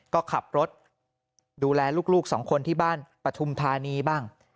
ก็ขับรถดูแลลูกสองคนที่บ้านปฐุมธานีบ้าง